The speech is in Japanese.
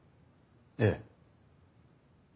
ええ。